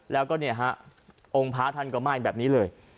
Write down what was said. แล้วก็นะองภาพทันกว่าไม้แบบนี้เลย